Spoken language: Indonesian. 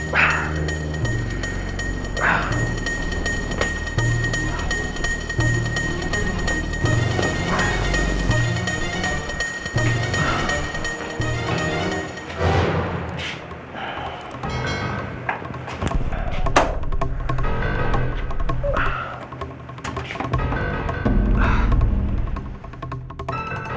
tidak ada yang bisa dihukum